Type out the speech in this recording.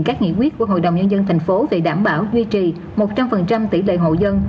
các nghị quyết của hội đồng nhân dân thành phố về đảm bảo duy trì một trăm linh tỷ lệ hộ dân